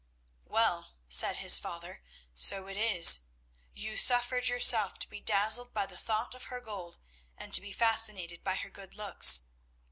"Well," said his father, "so it is. You suffered yourself to be dazzled by the thought of her gold, and to be fascinated by her good looks.